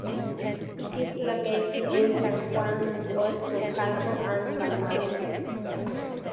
It is located between San Juan Ostuncalco and San Marcos.